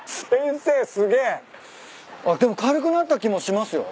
あっでも軽くなった気もしますよ。